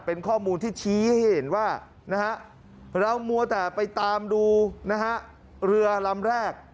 เป็นข้อมูลที่ชี้ให้เห็นว่าเราม้วตดไปตามดูเรือลำแรก